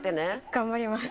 頑張ります。